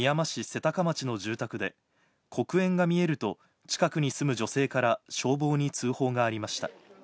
瀬高町の住宅で黒煙が見えると近くに住む女性から消防に通報がありました。